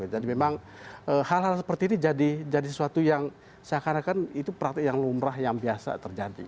jadi memang hal hal seperti ini jadi sesuatu yang saya karakan itu praktik yang lumrah yang biasa terjadi